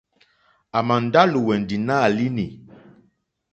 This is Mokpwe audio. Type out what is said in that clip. À mà ndá lùwɛ̀ndì nǎ línì.